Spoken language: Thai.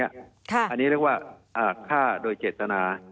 อันนี้เรียกว่าฆ่าโดยเจตนา